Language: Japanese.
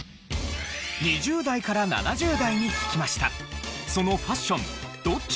２０代から７０代に聞きました。